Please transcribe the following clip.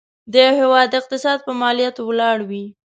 د یو هيواد اقتصاد په مالياتو ولاړ وي.